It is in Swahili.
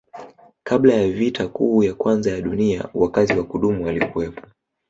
Kabla ya vita kuu ya kwanza ya Dunia wakazi wa kudumu walikuwepo